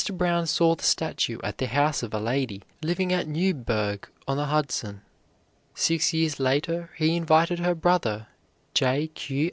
Brown saw the statue at the house of a lady living at Newburgh on the Hudson. Six years later he invited her brother, J.